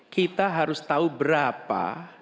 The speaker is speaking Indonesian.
kita harus tahu berapa